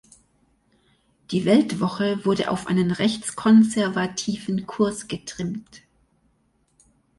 Die "Weltwoche" wurde auf einen rechtskonservativen Kurs getrimmt.